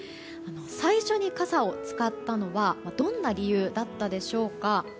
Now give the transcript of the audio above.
最初に傘を使ったのはどんな理由だったでしょうか。